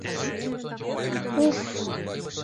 Уф-ф-ф!